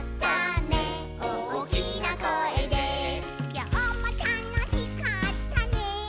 「きょうもたのしかったね」